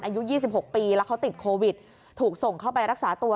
อายุ๒๖ปีแล้วเขาติดโควิดถูกส่งเข้าไปรักษาตัว